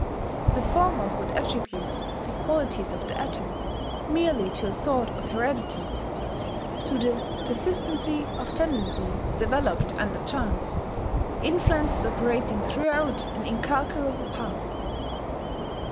The former would attribute the qualities of the atom merely to a sort of heredity, to the persistency of tendencies developed under chance influences operating throughout an incalculable past.